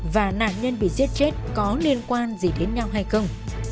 và nạn nhân bị giết chết có liên quan gì đến nhau hay không